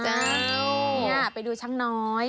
อันนี้ไปดูช้างน้อย